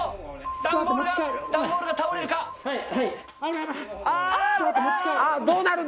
段ボールが段ボールが倒れるか⁉あぁ！